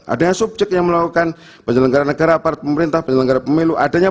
adanya subjek yang melakukan penyelenggara negara para pemerintah penyelenggara pemilu adanya